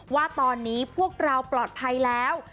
ว่าตอนนี้พวกเราปลอดภัยแล้ว